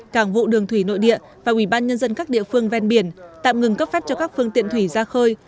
cảng vụ đường thủy nội địa và ubnd các địa phương ven biển tạm ngừng cấp phép cho các phương tiện thủy ra khơi